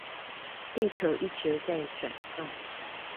地球一直在轉動